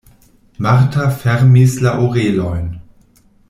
Marta fermis la orelojn.